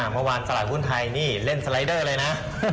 ตลาดหุ้นไทยนี่เล่นสไลเดอร์เลยนะ